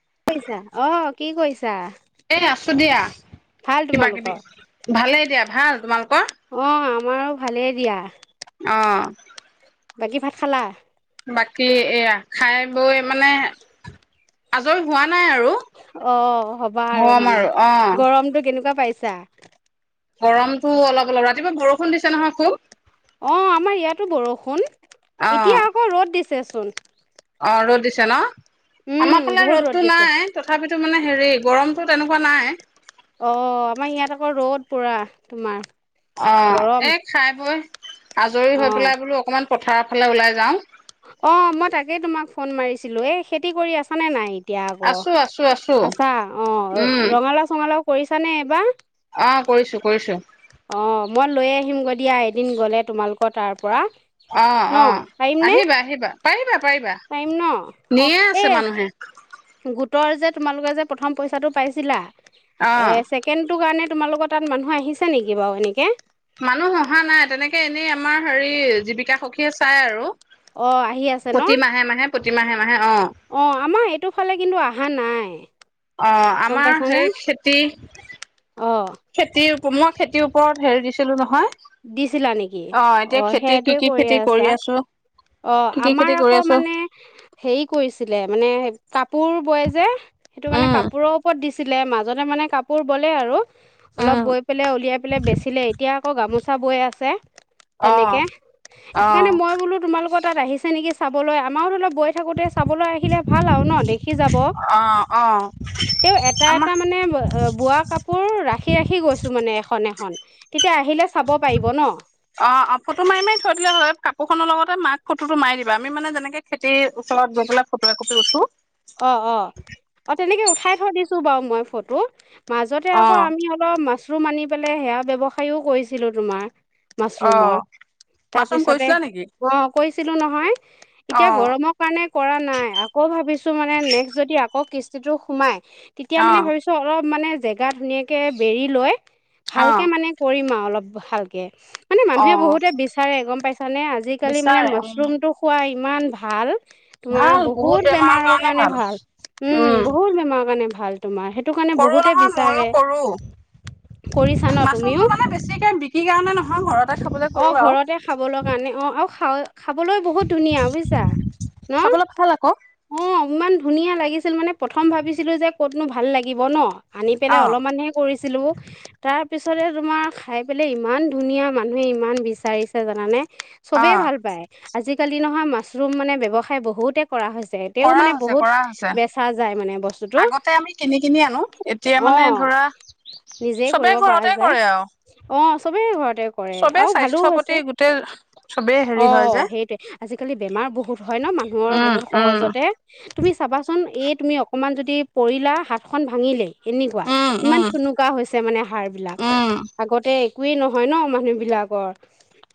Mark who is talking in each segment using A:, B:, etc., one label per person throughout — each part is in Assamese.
A: কি কৰিছা আহ কি কৰিছা?
B: এ আছো দিয়া।
A: ভাল
B: কিবা কিবি
A: তোমালোকৰ?
B: ভালে দিয়া। ভাল। তোমালোকৰ?
A: অ' আমাৰো ভালেই দিয়া।
B: অ।
A: বাকী ভাত খালা?
B: বাকী এয়া খাই বৈ মানে আজৰি হোৱা নাই আৰু
A: অ' হ'বা আৰু
B: গৰম
A: মানে
B: অ
A: গৰমটো কেনেকুৱা পাইছা?
B: গৰমটো অলপ অলপ ৰাতিপুৱা বৰষুণ দিছে নহয় খুব।
A: অ' আমাৰ ইয়াতো বৰষুণ
B: অ
A: এতিয়া আকৌ ৰ'দ দিছ চেচোন।
B: অ ৰ'দ দিছে ন? আমাৰ ফালে
A: বহুত ৰ'দ
B: ৰ'দটো
A: দিছে।
B: নাই তথাপিতো মানে হেৰি গৰমতটো তেনেকুৱা নাই।
A: অ' আমাৰ ইয়াত আকৌ ৰ'দ পুৰা তোমাৰ।
B: অ
A: গৰম।
B: এ খাই বৈ আজৰি হৈ
A: অ'
B: পেলাই বোলো অকণমান পথাৰৰ ফালে ওলাই যাওঁ।
A: অ মই তাকেই তোমাক ফোন মাৰিছিলো এ খেতি কৰি আছ নে নাই? এতিয়া আকৌ
B: আছো আছো আছো
A: আছা অ
B: উম
A: ৰঙালাও চঙালাও কৰিছ নে এইবাৰ?
B: অ কৰিছো কৰিছো।
A: অ মই লৈ আহিমগৈ দিয়া এদিন গ'লে তোমালোকৰ তাৰ পৰা।
B: অ',
A: ন
B: অ'
A: পাৰিম নে
B: আহিবা, আহিবা, পাৰিবা, পাৰিবা।
A: পাৰিম ন অ
B: নিয়ে আছে
A: এই
B: মানুহে
A: গো তই যে তোমালোকে যে প্ৰথম পইচাটো পাইছিলা
B: অ
A: এ ছেকেণ্ড টো কাৰণে তোমালোকৰ তাত মানুহ আহিছে নেকি বাৰু এনেকে?
B: মানুহ অহা নাই তেনেকে এনেই আমাৰ হেৰি জীৱিকা সখীয়ে চাই আৰু।
A: অ' আহি আছে ন?
B: পতিমাহে
A: অ' আমাৰ এইটো ফালে কিন্তু অহা নাই।
B: অ'
A: গম
B: আমাৰ
A: পাইছানে
B: সেই খেতি
A: অ
B: খেতিৰ মই খেতিৰ ওপৰত হেৰি দিছিলো নহয়।
A: দিছিলা নেকি অ
B: এতিয়া খেতি কি
A: সেইটোৱে
B: কি
A: কৰি
B: খেতি
A: আছা।
B: আছো
A: অ
B: কি কি
A: আমাৰ
B: খেতি কৰি
A: আকৌ
B: আছো
A: মানে হেৰি কৰিছিলে মানে কাপোৰ বয় যে সেইটো মানে
B: উম
A: কাপোৰৰ ওপৰত দিছি ছিলে মাজতে মানে কাপোৰ বলে আৰু। অলপ
B: উম
A: বৈ পেলাই উলিয়াই পেলাই বেচিলে এতিয়া আকৌ গামোচা চাবই আছে
B: অ
A: তেনেকে
B: অ
A: সেইকাৰণে মই বোলো তোমালোক তোমাৰ তাত আহিছে নেকি চাবলৈ আমাৰ ধৰি লক বৈ থাকোতে চাবলৈ আহিলে ভাল আৰু ন দেখি যাব
B: অ অ
A: তেওঁ এটা
B: আমাৰ
A: এটা মানে বোৱা কাপোৰ ৰাখি ৰাখি গৈছো মানে এসন এসন কি
B: অ ফটো মাৰি মাৰি থৈ দিলে হত কাট কুখনৰ লগতে মাক ফটো মাৰি দিব আমি মানে যেনেকে খেতি ওচৰত গৈ পেলাই ফটো এক কপি [unintelligible]
A: অ অ অ তেনেকে উঠাই থৈ দিছো বাউ মই ফটো মাজতে
B: অ
A: আকৌ আমি অলপ মাছ সেইটো মানি পেলাই সেয়া ব্যৱসায়ও কৰিছিলো তোমাৰ
B: অ
A: মাছৰুমৰ
B: মাছৰুম
A: তাৰপিছতে
B: কৰিছিলা নেকি?
A: ক কৈছিলোঁ নহয় এতিয়া
B: অ',
A: গৰমৰ কাৰণে কৰা নাই আকৌ ভাবিছো সৈটো মানে নেক্সট যদি আকৌ কিস্তিটো সোমায় তেতিয়া মানে
B: অ',
A: ভাবিছো অলপ মানে জেগা ধুনীয়াকৈ বেৰি লয় ভালকে
B: অ',
A: মানে কৰিম আৰু অলপ ভালকৈ মানে মানুহে
B: অ',
A: বহুতে বিচাৰে গম পাইছা নে আজিকালি মানে
B: বিচাৰে উম,
A: মাছৰুমতটো খুৱাই ইমান ভাল
B: ভাল বহুত বেমাৰৰ কাৰণে
A: মানে ভাল উম বহুত বেমাৰ কাৰণে ভাল তোমাৰ সেইটো কাৰণে
B: কৰো
A: বহুতে
B: নহয় মইও
A: বিচাৰে
B: কৰো
A: কৰিছা ন তুমিও
B: মাছৰুমটো মানে বেছিকে বিক্ৰী কাৰণে নহয় ঘৰতে খাবলৈ
A: অ
B: কৰো আৰু
A: ঘৰতে সাবলৈ কাৰণে অ আৰু সা খাবলৈ বহুত ধুনীয়া বুজিছা ন
B: খাবলৈ ভাল আকৌ
A: উম ইমান ধুনীয়া লাগিছিল মানে প্ৰথম ভাবিছিলোঁ যে ক'তনো ভাল লাগিব ন আনি পেলাই
B: অ',
A: অলপমানহে কৰিছো কৰিছিলো তাৰপিছতে তোমাৰ খাই পেলাই ইমান ধুনীয়া মানুহে ইমান বিচাৰিছে জানানে চবেই
B: অ',
A: ভাল পায় আজি আজিকালি নহয় মাছৰুম মানে ব্যৱসায় বহুতে কৰা হৈছে তেওঁ
B: কৰা
A: মানে
B: হৈছে কৰা হৈছে
A: বেচা যায় মানে বস্তুটো
B: আগতে আমি কিনি কিনি আনো এতিয়া
A: অ
B: মানে ধৰা
A: নিজেই কৰিব
B: চবেই
A: পৰা
B: ঘৰতে
A: যায়
B: কৰে আৰু
A: অ সবেই ঘৰ কৰে
B: চবে
A: আৰু ভালো
B: স্বাস্থ্যৰ প্ৰতি
A: হৈছে,
B: গোটেই চবেই হেৰি হয়
A: অ'
B: যে
A: সেইটোৱে আজিকালি বেমাৰ বহুত হয় ন মানুহৰ
B: উম,
A: বহুত
B: উম,
A: সহজতে। তুমি চাবাচোন এই তুমি অকণমান যদি পৰিলা হাতখন ভাঙিলে এনেকুৱা
B: উম,
A: ইমান
B: উম,
A: থুনুুকা হৈছে মানে হাড় বিলাক
B: উম।
A: আগতে- একোৱেই নহয় ন মানুহবিলাকৰ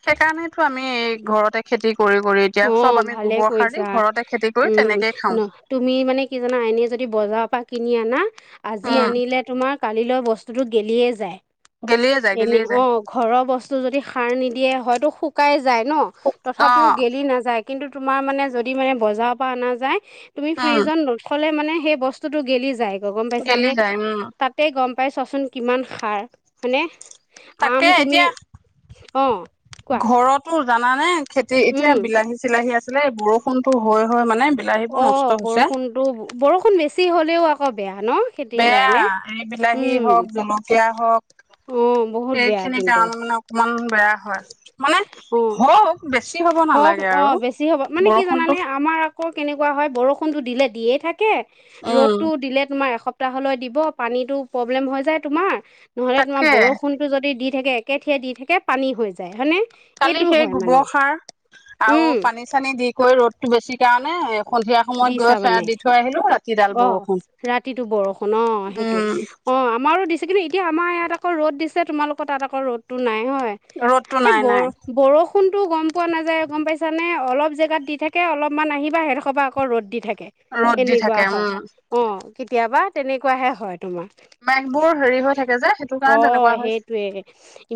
B: সেইকাৰণেতো আমি ঘৰতে খেতি কৰি কৰি এতিয়া চব
A: অ'
B: আমি
A: ভালে
B: গোবৰ সাৰ দি
A: কৰিছা
B: ঘৰতে খেতি কৰি
A: উম
B: তেনেকেই খাওঁ
A: ন তুমি মানে কি জানা এনে যদি বজাৰৰ পৰা কিনি আনা আজি
B: উম
A: আনিলে তোমাৰ কালিলৈ বস্তুটো গেলিয়েই যায়।
B: গেলিয়ে যায়
A: এনে
B: গেলিয়ে
A: অ
B: যায়
A: ঘৰৰ বস্তু যদি সাৰ নিদিয়ে হয়তোু [unintelligible] যায় ন
B: অ
A: তথাপিও যায় কিন্তু, তোমাৰ মানে যদি মানে বজাৰৰ পৰা অনা যায়। তুমি
B: উম
A: ফ্ৰিজত নখলে মানে সেই বস্তুতটো গেলি যায়। গ গম পাইছ
B: গেলি
A: নে
B: যায় উম
A: তাতে গম পাইছোৱাচোন কিমান সাৰ হয়নে
B: তাকে
A: আম তুমি
B: এতিয়া
A: অ কোৱা
B: ঘৰতো যান মানে খেতি এতিয়া
A: উম
B: বিলাহী-চিলাহী আছে। ছিলে বৰষুণতো হয় হয় মানে বিলাহীবোৰ
A: অ
B: নষ্ট হৈছে
A: বৰষুণতো বৰষুণ বেছি হলেও ক'বয়া
B: বেয়া এই বিলাহী হওক জলকীয়া হওক
A: অ বহুত বেয়া
B: এইেইখিনি
A: কিন্তু
B: কাৰণ মানে অকমান বেয়া হয় [unintelligible] মানে
A: অ
B: হ বেছি হ'ব
A: হওক
B: নালাগে
A: অ',
B: আৰু
A: বেছি হ'ব মানে কি
B: বৰষুণতো
A: জানানে আমাৰ আকৌ কেনেকুৱা হয় বৰষুণটো দিলে দিয়েই থাকে
B: উম
A: ৰ'দতটো দিলে তোমাৰ এস্ত সুতাহলৈ দিব পানীতটো প্ৰব্লেম হৈ যায় তোমাৰ নহ'লে তোমাৰ
B: তাকে
A: বৰষুণটো যদি দি থাকে একে থিয়ে দি থাকে পানী হৈ যায় হয়নেে।
B: কালি সেই গোবৰ সাৰ। আৰু
A: উম
B: পানী চানী দি কৈৰি ৰ'দতটো বেছি চিকানে
A: দিছা মানে
B: ৰাতিডাল
A: অ
B: বৰষুণ
A: ৰাতিটো বৰষুণ অ সেইটোৱে
B: উম
A: অ আমাৰো দিছ কিন্তুতিয়া আমাৰ ইয়াত আকৌ ৰ'ড দিছে তোমালোকৰ তাত আক ৰদতটো নাই হয়
B: ৰ'দটো
A: এই
B: নাই
A: বৰ
B: নাই
A: বৰষুণ কোনটো গম পোৱা নাযায় গম পাইছা নে অলপ জেগাত দি থাকে অলপমান আহিবা সে দখৰ পা আকৌ। কৰ ৰ'দ দি থাকে।
B: ৰ'দ দি
A: এনেকুৱা
B: থাকে উম
A: হয় অ। কেতিয়াবা তেনেকুৱাহে হয় তোমাৰ
B: মেঘবোৰ হেৰি হৈ থাকে যে সেইটো
A: অ
B: কাৰণে তেনেকুৱা হৈছে
A: সেইটোৱে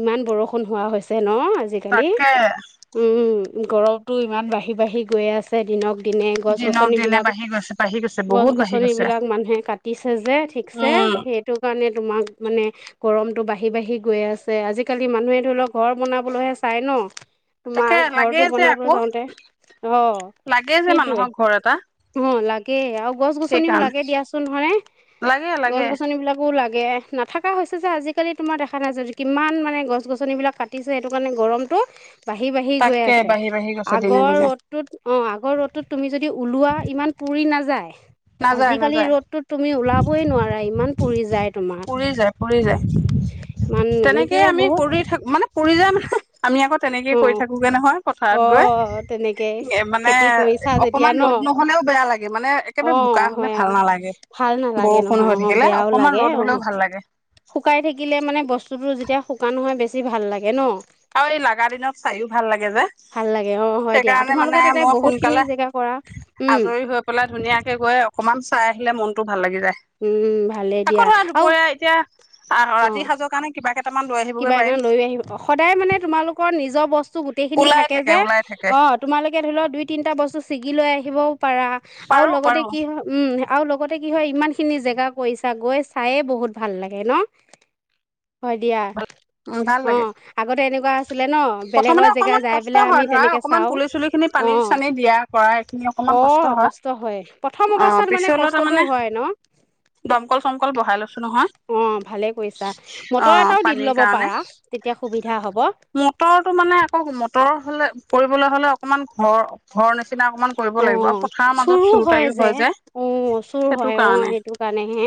A: ইমান বৰষুণ হোৱা হৈছে ন আজিকালি
B: তাকে
A: উম। গৰমটো ইমান বাঢ়ি বাঢ়ি গৈয়ে আছে দিনক পিনে গছ গছ
B: দিনক দিনে
A: এইবিলাক
B: বাঢ়ি গৈছে বাঢ়ি গৈছে বহুত বাঢ়ি
A: গছ-গছনি
B: গৈছে
A: বিলাক মানুহে কাটিছে যে ঠিকছে
B: উম
A: সেইটো কাৰণে তোমাক মানে গৰমটো বাঢ়ি বাঢ়ি গৈ আছে আজিকালি মানুহে ধৰি লওক ঘৰ বনাবলৈহে চাই ন। তোমাৰ
B: তাকে লাগে
A: ঘৰটো
B: যে
A: বনাবলৈ
B: আকৌ,
A: যাওঁতে অ
B: লাগে যে
A: সেইটোৱে
B: মানুহক ঘৰ এটা।
A: অ' লাগে। তাকে আৰু গছ-গছনিও
B: সেইকাৰণে
A: লাগে দিয়াচোন হয়নে,
B: লাগে
A: গছ
B: লাগে
A: গছনিবলাকো লাগে। নাথাককা হৈছে যে আজিকালি তোমাৰ দেখা নাই যে, কিমান মানে গছ গছনিবিলাক কাটিছে সেইটো কাৰণে গৰমতটো বাঢ়ি বাঢ়ি গৈ
B: তাকে
A: আছে
B: বাঢ়ি বাঢ়ি গৈছে দিনে
A: আগৰ
B: দিনে
A: ৰ'দটোত অ আগৰ ৰ'দটোত তুমি যদি ওলোৱা ইমান পুৰি নাযায়।
B: নাযায়
A: আজিকালি
B: নাযায়
A: ৰ'দতো তুমি ওলাবই নোৱাৰা ইমান পৰি যায় তোমাৰ
B: পৰি পৰি যায় পৰি পৰি যায়
A: ইমান এনেকে
B: তেনেকেই আমি
A: বহুত
B: কৰি থাকো মানে পৰি পৰি যায় নহয়। আমি আকৌ তেনেকেই
A: অ
B: কৰি থাকোগে নহয় পথাৰত
A: অ
B: গৈ
A: তেনেকে
B: মানে
A: খেতি কৰিছা যেতিয়া
B: অকমান
A: ন
B: ৰ'দ নহলেও বেয়া লাগে মানে
A: অ
B: একেবাৰে বোকা হলে
A: হয়
B: ভাল
A: আকৌ
B: নালাগে
A: ভাল নালাগে
B: বৰষুণ
A: নহয়
B: হৈ
A: অ
B: থাকিলে
A: বেয়াও
B: অকণমান
A: লাগে অ
B: ৰ'দ হ'লেও ভাল লাগে
A: শুকাই থাকিলে মানে বস্তু বস্তুটো যেতিয়া শুকান নহয় বেছি ভাল লাগে ন
B: আৰু এই লাগা দিনত চায়ো ভাল লাগে যে
A: ভাল লাগে অঁ হয় দিয়া
B: সেইকাৰণে মানে
A: তোমালোকে তাতে
B: মই
A: বহুতখিনি
B: সোনকালে
A: জেগা কৰা
B: আজৰি হৈ পেলাই ধুনীয়াকৈ গৈ অকণমান চাই আহিলে মনটো ভাল লাগি যায়
A: ভালেই
B: আকৌ
A: দিয়া
B: ধৰা
A: আৰু
B: দুপৰীয়া এতিয়া আহ ৰাতি
A: অঁ
B: সাজৰ কাৰণে কিবা কেইটামান লৈ আহিব
A: কিবা এটা লৈ আহিব সদায় মানে তোমালোকৰ নিজৰ বস্তু গোটেই খিনি
B: ওলাই
A: থাকে যে
B: ওলাই থাকে
A: অ তোমালোকে ধৰি লও দুই তিনিটা বস্তু ছিগি লৈ আহি থিব পা আৰু
B: পাৰো
A: লগতে
B: পাৰো
A: কি হয় উম আৰু লগতে কি হয় ইমান খিনি জেগা কৰিছা গৈ চায়ে বহুত ভাল লাগে ন হয় দিয়া
B: উম ভাল
A: অ
B: লাগে
A: আগতে এনেকুৱা আছিলে ন বেলেগৰ
B: প্ৰথমতে
A: জেগা
B: অকনমান
A: যাই
B: কষ্ট
A: পেলাই আমি
B: হয় ধৰা
A: তেনেকে
B: অকনমান
A: চাও
B: পুলি চুলি খিনি
A: অ
B: পানী চানী দিয়া কৰা এইখিনি অকনমান
A: আহ কষ্ট হয় প্ৰথম
B: অ
A: অৱস্থাত মানে
B: পিছলৈ
A: কষ্টতটো
B: তাৰমানে
A: হয় ন
B: দমকল চমকল বহাই লৈছো নহয়
A: অ ভালে কৰিৈছা
B: অ
A: মটৰ এটাও দি
B: পানীৰ
A: লব
B: কাৰণে
A: পাৰা, তেতিয়া সুবিধা হ'ব।
B: মটৰটো মানে আকৌ মটৰ হলে কৰিবলৈ হ'লে অকমান ঘৰ ঘৰ নিচিনা অকমান কৰিব
A: অ
B: লাগিব আৰু পথাৰৰ মাজত
A: চোৰো
B: চুৰ
A: হয়
B: তাৰিও
A: যে
B: হৈ যায়
A: অ চুৰ
B: সেইটো
A: হয় অ
B: কাৰণে
A: সেইটো কাৰণেহে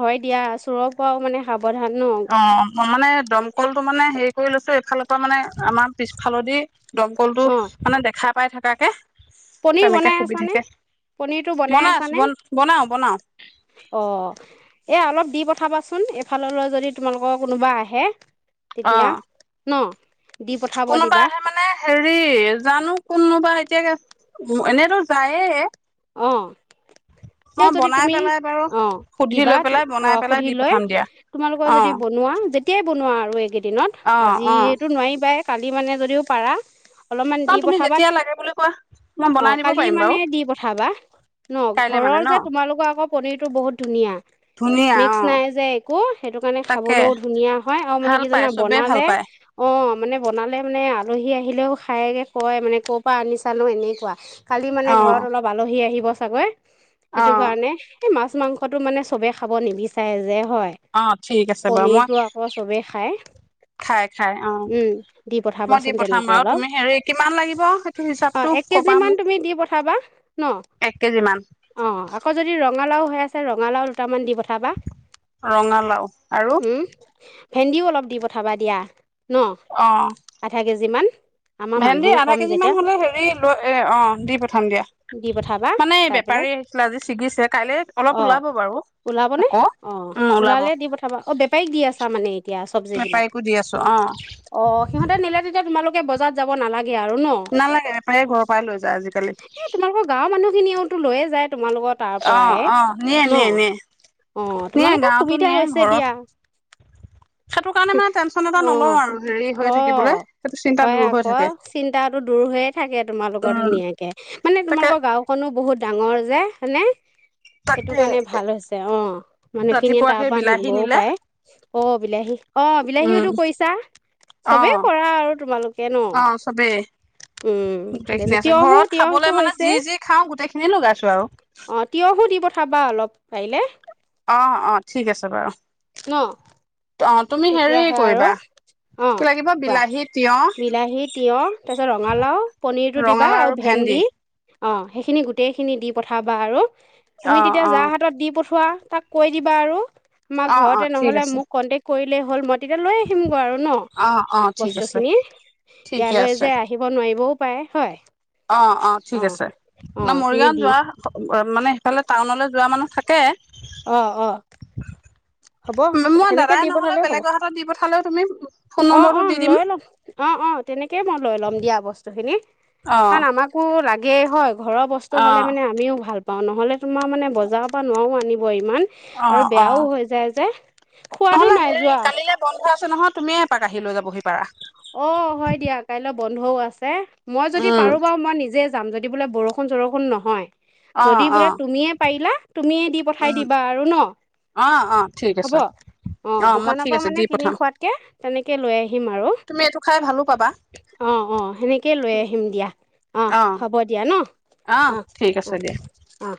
A: হয় দিয়া চোৰক পোৱাও মানে সাৱধান ন?
B: অ মানে দমকল ত মানে হেৰি কৰি লৈছো এইফালে মানে আমাৰ পিছ হালধি দমকলটো মানে দেখা পাই থাকাকে
A: পনিৰ
B: তেনেকে
A: বনাই আছানে
B: সুবিধাকে
A: পনিৰতটো বনাই
B: আছো
A: আছাানে
B: বন বনাও বনাও
A: অ এ অলপ দি পঠাবাচোন এফাললৈ যদি তোমালোকৰ কোনোবা আহে
B: অ
A: তেতিয়া ন? দি পঠাব
B: কোনোবা
A: দিবা,
B: আহে মানে হেৰি জানো কোনো এতিাকে এনেইতো যায়েে
A: অ তে যদি
B: বনাই
A: তুমি
B: পেলাই বাৰু
A: অ
B: সুধি
A: দিবা
B: লৈ পেলাই
A: অ
B: বনাই পেলাই
A: সুধি
B: দি
A: লৈ
B: পঠাম দিয়া
A: তোমালোকৰ
B: অ
A: যদি বনোৱা যেতিয়াই বনোৱা আৰু এইকেইদিনত
B: অ অ
A: আজিো নোৱাৰিবাই কালি মানে যদিও পাৰা অলপমান দি
B: কাৰ তুমি
A: পঠাবা
B: যেতিয়া লাগে বুলি কোৱা মই
A: অ
B: বনাই দিব
A: কালি
B: পাৰিম
A: মানে
B: বাৰু
A: দি পঠাবা ন
B: কাইলে মানে
A: ঘৰৰ
B: ন
A: যে তোমালোকৰ আকৌ পনীৰটো বহুত ধুনীয়া
B: ধুনীয়া
A: মিক্স
B: অ
A: নাই যে একো সেইটো কাৰণে
B: তাকে
A: খাবলৈও ধুনীয়া হয় আৰু মানে
B: ভাল
A: কি
B: পায়
A: জানা
B: চবেই ভাল
A: বনালে
B: পায়
A: অ মানে বনালে। মানে আলহী আহিলেও খায়কে কয় মানে ক'ৰ পৰা আনি চালো এনেকুৱা খালি মানে
B: অ
A: ঘৰত লহি আহিব চাগৈ
B: অ
A: সেইটো কাৰণে স মাছ মাংসতটো মানে চবে খাব নিবিচাৰে যে হয়
B: অ ঠিক আছে বাৰু মই
A: পনিৰতটো আকৌ চবেই খাই
B: খাই খাই অ
A: উম দি
B: মই দি
A: পঠাবাচোন
B: পঠাম
A: তেনেকে
B: বাৰু
A: অলপ
B: তুমি হেৰি কিমান লাগিব সেইটো
A: অ
B: হিচাপটো
A: এক কেজি
B: কবা
A: মান
B: মোক
A: তুমি দি পঠাবা ন
B: এক কেজি মান
A: অ আকৌ যদি ৰ ৰঙালাও হৈ আছে ৰঙালাও দুটামান দিপ
B: ৰঙালাও আৰু
A: উম ভেন্দিও অলপ দি পঠাবা দিয়া ন
B: অ
A: আধা কেজি মান
B: ভেন্দি আধা কেজি মান হলে হেৰি লৈ এ অ দি পঠাম দিয়া
A: দি পঠাবা
B: মানে এই
A: চাই পেলাই
B: বেপাৰী আহিছিলে আজি ছিগিছে কাইলৈ অলপ
A: অ
B: ওলাব বাৰু
A: ওলাবনে
B: আকৌ
A: অ
B: উম ওলাব
A: ওলালে দি পঠাবা অ বেপাৰীক দি আছা মানে এতিয়া চবজী বিলাক
B: বেপাৰীকো দি আছো অ
A: অ সিহঁতে নিলে তেতিয়া তোমালোকে বজাৰত যাব নালাগে আৰু ন
B: নালাগে এপায়ে ঘৰৰ পৰাই লৈ যায় আজিকালি
A: এ তোমালোকৰ গাঁৱৰ মানুহখিনিয়েও লৈয়ে যায় তোমালোকৰ তাৰ
B: অ
A: পৰাই
B: অ নিয়ে
A: ন
B: নিয়ে নিয়ে
A: অ
B: নিয়ে
A: তোমালোকৰ
B: গাঁৱতো
A: সুবিধা
B: নিয়ে
A: হৈছে
B: ঘৰৰ
A: দিয়া
B: সেইটো কাৰণে মানে টেনচন এটা
A: অ
B: নলও আৰু হেৰি হৈ
A: অ
B: থাকিবলৈ সেইটো চিন্তা
A: হয়
B: দূৰ হৈ থাকে
A: আকৌ চিন্তা দূৰ হৈয়ে থাকে তোমালোকৰ
B: উম
A: ধুনীয়াকে মানে
B: তাকে
A: তোমালোকৰ গাওঁখনো বহুত ডাঙৰ যে হয়নে সেইটো
B: তাকে
A: কাৰণে ভাল হৈছে অ মানুহখিনিয়ে
B: ৰাতিপুৱা
A: তাৰ
B: সেই
A: পৰা
B: বিলাহী
A: নিবও
B: নিলে
A: পাৰে অ বিলাহী অ
B: উম
A: বিলাহীওতো কৰিছা
B: অ
A: চবে কৰা আৰু তোমালোক থাকে ন
B: অ চবেই
A: উম ভালে
B: গোটেইখিনি
A: আছে তিয়ঁহও
B: ঘৰত খাবলৈ
A: তিয়ঁহটো
B: মানে
A: হৈছে
B: যি যি খাওঁ গোটেইখিনি লগাইছো আৰু
A: অ তিয়ঁহো দি পঠাবা অলপ পাৰিলে
B: অ অ ঠিক আছে বাৰু
A: ন
B: অ', তুমি হেৰি
A: তেতিয়াহে আৰু
B: কৰিবা
A: অ
B: কি লাগিব
A: কোৱা
B: বিলাহী, তিয়হ
A: বিলাহী, তিঁয়হ তাৰপিছত ৰঙালাও, পনিৰটো দিবা আৰু ভেন্দি অ সেইখিনি গোটেইখিনি দি পঠাবা আৰু তুমি
B: অ',
A: তেতিয়া যা
B: অ',
A: হাতত দি পঠিওৱা পঠোৱা তাক কৈ দিবা আৰু আমাৰ
B: অ',
A: ঘৰতে
B: অ', ঠিক
A: নহলে
B: আছে
A: মোক কণ্টেক কৰিলে হ'ল ম তেতিয়া লৈ আহিমগৈ আৰু ন
B: অ', অ', ঠিক আছে
A: বস্তুখিনি
B: ঠিকে
A: ইয়ালৈ
B: আছে
A: যে আহিব নোৱাৰিবও পায় হয়
B: অ', অ', ঠিক
A: অঁ
B: আছে,
A: অঁ
B: ন'
A: তুমি
B: মৰিগাঁওত
A: দি
B: যোৱা মানে সেফালে টাউনলে যোৱা মানুহ থাকে।
A: অ', অ'। হ'ব
B: মই
A: সেনেকে
B: দাদাই
A: দি
B: নহ'লে
A: পঠালেও হ'ব,
B: বেলেগৰ হাতত দি পঠালেও তুমি ফোন
A: অ',
B: নম্বৰটো
A: অ',
B: দি দিম
A: লৈ ল'ম, অ', অ', তেনেকেই মই লৈ ল'ম দিয়া বস্তুখিনি
B: অ',
A: কাৰণ আমাকো লাগ গে হয় ঘৰৰ বস্তু হ'লে
B: অ',
A: মানে আমি ভাল পাঁও নহ'লে তোমাৰ মানে বজাৰৰ পৰা নোৱাও আনি ইমান, আৰু
B: অ',
A: বেয়াও
B: অ',
A: হৈ যায় যে খোৱাদো
B: নহ'লে
A: নাই
B: হেৰি,
A: যোৱা
B: কালিলৈ বন্ধ আছে নহয় তুমিয়ে এপ পাক আহি লৈ যাবহি পাৰা।
A: অ', হয় দিয়া কাইলে বন্ধও আছে। মই যদি
B: উম,
A: পাৰো বাৰু মই নিজে যাম, যদি বোলে বৰষুণ চৰষুণ নহয়। যদি
B: অ',
A: বোলে
B: অ',
A: তুমিয়ে পাৰিলা, তুমিয়েই দি পঠাই
B: উম,
A: দিবা আৰু ন'
B: অ', অ', ঠিক
A: হ'ব,
B: আছে
A: অ',
B: মই
A: দোকানৰ
B: ঠিক
A: পৰা
B: আছে
A: মানে
B: দি
A: কিনি
B: পঠাম
A: খোৱাতকে তেনেকেই লৈ আহিম আৰু। অ',
B: তুমি এইটো খাই ভালো পাবা
A: অ', সেনেকেই লৈ আহিম দিয়া, অ', হ'ব দিয়া ন' অ',
B: ঠিক আছে
A: অ',
B: দিয়া
A: অ'।